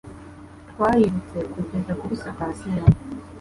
Twarirutse kugeza kuri sitasiyo.